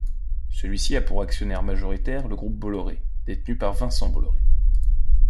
Celui-ci a pour actionnaire majoritaire le groupe Bolloré, détenu par Vincent Bolloré.